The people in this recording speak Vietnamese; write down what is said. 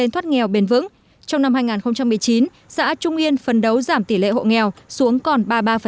trong năm hai nghìn một mươi chín xã trung yên phân đấu giảm tỷ lệ hộ nghèo xuống còn ba mươi ba